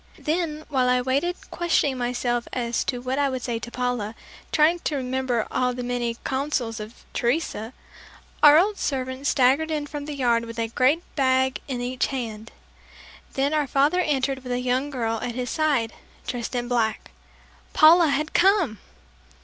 Then while I waited questioning myself as to what I would say to Paula, trying to remember all the many counsels of Teresa, our old servant staggered in from the yard with a great bag in each hand. Then our father entered with a young girl at his side dressed in black. Paula had come!